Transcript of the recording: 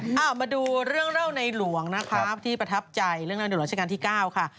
มาดูเรื่องเล่าในหลวงที่ประทับใจเรื่องเล่าในหลวงรัชการที่๙ค่ะ